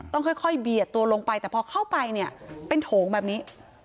ต้องค่อยเบียดตัวลงไปแต่พอเข้าไปเนี่ยเป็นโถงแบบนี้